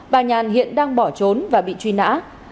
bà nhàn hiện đang bỏ trốn và bị truy nã